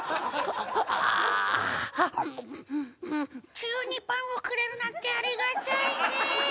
急にパンをくれるなんてありがたいねえ。